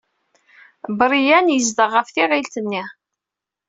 Brian yezdeɣ ɣef tiɣilt-nni.